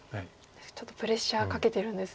ちょっとプレッシャーかけてるんですね。